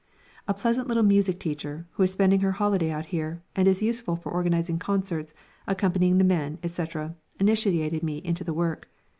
A pleasant little music teacher, who is spending her holiday out here, and is useful for organising concerts, accompanying the men, etc., initiated me into the work.